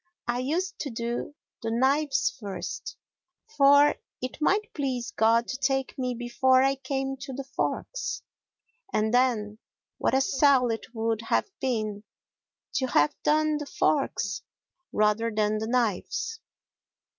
I used to do the knives first, for it might please God to take me before I came to the forks, and then what a sell it would have been to have done the forks rather than the knives!